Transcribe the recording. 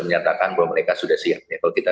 menyatakan bahwa mereka sudah siap ya kalau kita